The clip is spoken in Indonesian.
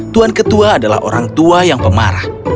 tuan ketua adalah orang tua yang pemarah